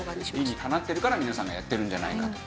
理にかなってるから皆さんがやってるんじゃないかと。